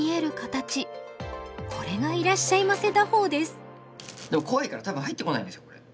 これがでも怖いから多分入ってこないんですよこれ。